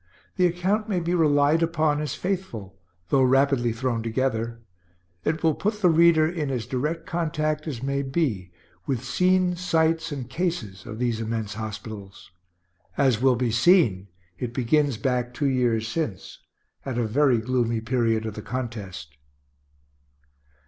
The account may be relied upon as faithful, though rapidly thrown together. It will put the reader in as direct contact as may be with scenes, sights, and cases of these immense hospitals. As will be seen, it begins back two years since, at a very gloomy period of the contest.